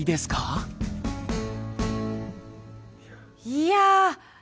いや。